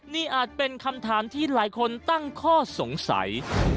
นี่อาจเป็นคำถามที่หลายคนตั้งข้อสงสัย